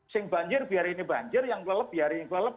sing banjir biar ini banjir yang gelep biar ini gelep